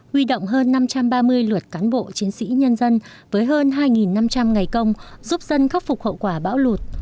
huy động hơn năm trăm ba mươi lượt cán bộ chiến sĩ nhân dân với hơn hai năm trăm linh ngày công giúp dân khắc phục hậu quả bão lụt